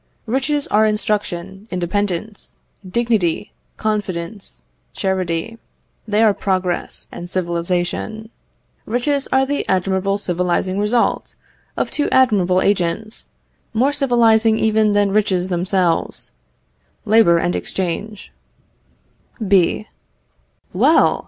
Riches are instruction, independence, dignity, confidence, charity; they are progress, and civilization. Riches are the admirable civilizing result of two admirable agents, more civilizing even than riches themselves labour and exchange. B. Well!